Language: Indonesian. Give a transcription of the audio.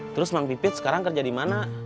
terus bang pipit sekarang kerja dimana